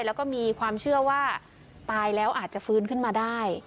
แล้วก็มีความเชื่อว่าตายแล้วอาจจะฟื้นขึ้นมาได้